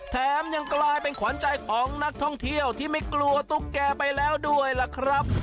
แถมยังกลายเป็นขวัญใจของนักท่องเที่ยวที่ไม่กลัวตุ๊กแก่ไปแล้วด้วยล่ะครับ